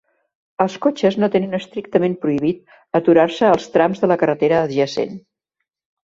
Els cotxes no tenen estrictament prohibit aturar-se als trams de la carretera adjacent.